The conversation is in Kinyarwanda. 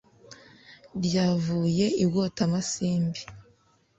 ryavuye ibwotamasimbi